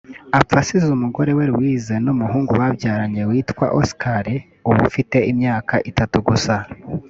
Apfa asize umugore we Louise n’umuhungu babyaranye witwa Oscar uba ufite imyaka itatu gusa